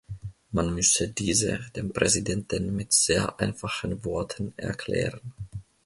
Man müsse diese dem Präsidenten mit sehr einfachen Worten erklären.